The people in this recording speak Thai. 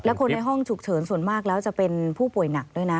และคนในห้องฉุกเฉินส่วนมากแล้วจะเป็นผู้ป่วยหนักด้วยนะ